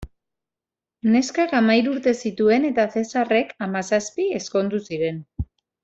Neskak hamahiru urte zituen eta Zesarrek hamazazpi ezkondu ziren.